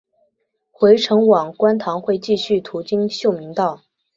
回程往观塘会继续途经秀明道。